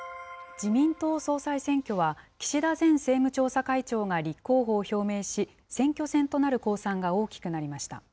自民党総裁選挙は、岸田前政務調査会長が立候補を表明し、選挙戦となる公算が大きくなりました。